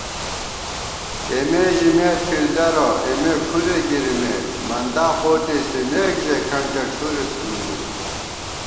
تېمےژِمېت فِلڈَرہ ، اېمے کھُرے گِرِمېت * مندا پوٹےݪِمېکژَئی کھنٹِیَہ ڄُھرےڅِھنِمېت